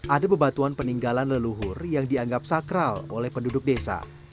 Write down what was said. ada bebatuan peninggalan leluhur yang dianggap sakral oleh penduduk desa